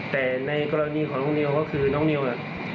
แต่ในกรณีของน้องนิวก็คือน้องนิวแหละ